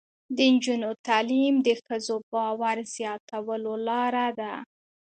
د نجونو تعلیم د ښځو باور زیاتولو لاره ده.